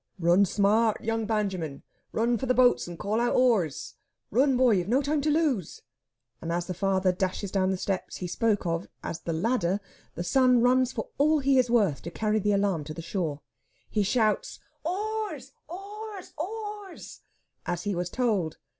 "Roon smart, yoong Benjamin roon for the bo'ats and call out 'oars'! Roon, boy you've no time to lose!" And as the father dashes down the steps he spoke of as "the ladder" the son runs for all he is worth to carry the alarm to the shore. He shouts, "Oars, oars, oars!" as he was told.